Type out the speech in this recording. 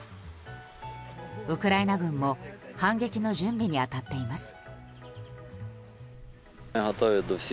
ウクライナ軍も反撃の準備に当たっています。